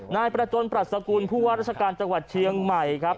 นายประจนปรัชกุลผู้ว่าราชการจังหวัดเชียงใหม่ครับ